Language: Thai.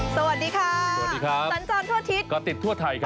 สวัสดีค่ะสนานจอมทั่วทิศกระติดทั่วไทยครับ